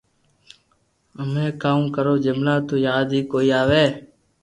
ھمو ڪاو ڪرو جملا تو ياد اي ڪوئي آوي